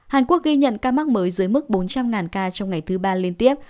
hàn quốc ghi nhận ca mắc mới dưới mức bốn trăm linh ca trong ngày thứ ba liên tiếp